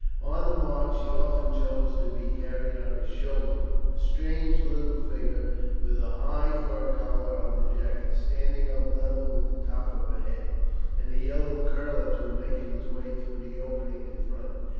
On the march she often chose to be carried on his shoulder a strange little figure, with the high fur collar of the jacket standing up level with the top of her head, and a yellow curl or two making its way through the opening in front.